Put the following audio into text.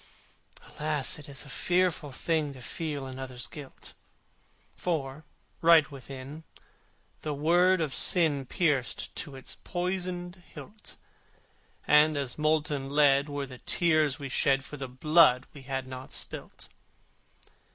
Alas! it is a fearful thing To feel another's guilt! For, right within, the sword of Sin Pierced to its poisoned hilt, And as molten lead were the tears we shed For the blood we had not spilt.